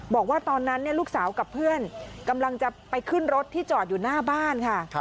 บอกว่าตอนนั้นลูกสาวกับเพื่อนกำลังจะไปขึ้นรถที่จอดอยู่หน้าบ้านค่ะ